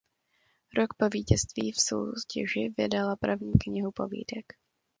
Rok po vítězství v soutěži vydala první knihu povídek.